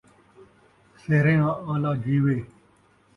سہریاں آلا جیوے